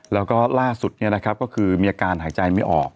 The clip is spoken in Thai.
แล้วก็ล่าสุดก็คือมีอาการหายใจไม่ออก